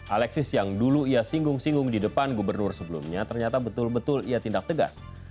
alexis yang dulu ia singgung singgung di depan gubernur sebelumnya ternyata betul betul ia tindak tegas